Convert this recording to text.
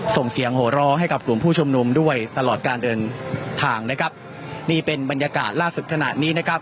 ส่งเสียงโหร้องให้กับกลุ่มผู้ชุมนุมด้วยตลอดการเดินทางนะครับนี่เป็นบรรยากาศล่าสุดขณะนี้นะครับ